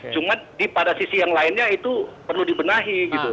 cuma pada sisi yang lainnya itu perlu dibenahi gitu